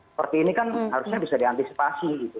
seperti ini kan harusnya bisa diantisipasi gitu